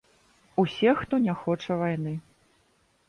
Усе, хто не хоча вайны.